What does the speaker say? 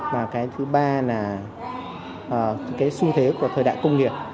và cái thứ ba là cái xu thế của thời đại công nghiệp